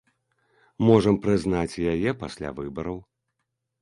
Можам прызнаць яе пасля выбараў.